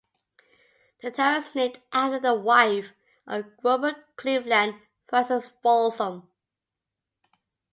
The town is named after the wife of Grover Cleveland, Frances Folsom.